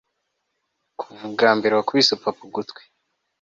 kuva ubwambere wakubise papa ugutwi